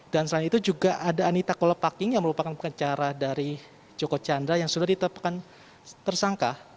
dan selain itu juga ada anita kolopaking yang merupakan pengacara dari joko chandra yang sudah ditetapkan tersangka